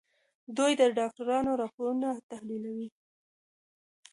دوی د ډاکټرانو راپورونه تحليلوي.